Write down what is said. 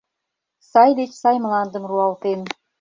Сай деч сай мландым руалтен.